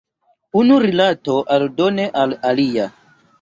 Unu rilato aldone al alia.